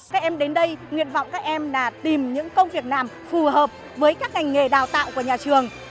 các em đến đây nguyện vọng các em là tìm những công việc làm phù hợp với các ngành nghề đào tạo của nhà trường